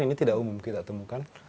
ini tidak umum kita temukan